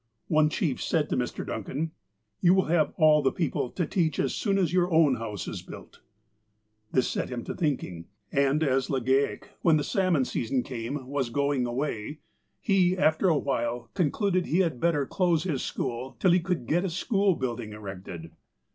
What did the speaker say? One chief said to Mr. Duncan :" You Avill have all the people to teach as soon as your own house is built. '' This set him to thinking, and as Legale, when the sal THE FIRST MESSAGE 127 mon season came, was going away, he, after a while, con cluded he had better close his school till he could get a school building erected.